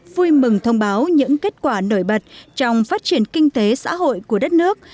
vui mừng thông báo những kết quả nổi bật trong phát triển kinh tế xã hội của đất nước